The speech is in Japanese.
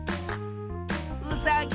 うさぎ。